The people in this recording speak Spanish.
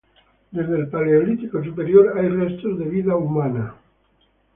Desde el Paleolítico Superior hay restos de vida humana.